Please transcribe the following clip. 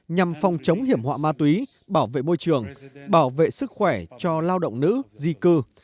nhằm phòng chống hiểm họa ma túy bảo vệ môi trường bảo vệ sức khỏe cho lao động nữ di cư